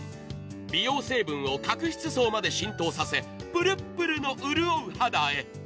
美容成分を角質層まで浸透させプルップルの潤う肌へ。